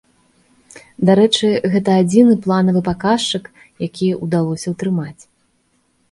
Дарэчы, гэта адзіны планавы паказчык, які ўдалося ўтрымаць.